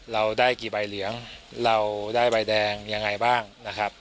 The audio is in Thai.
เราได้กี่ใบเหลืองเราได้ใบแดงยังไงบ้างนะครับ